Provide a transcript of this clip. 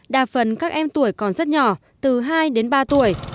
đa phần các em tuổi còn rất nhỏ từ hai đến ba tuổi